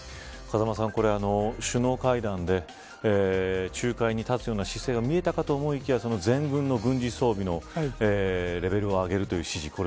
風間さん、首脳会談で仲介に立つような姿勢が見えたかと思いきやその前軍の軍事装備のレベルを上げるという指示